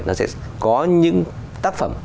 nó sẽ có những tác phẩm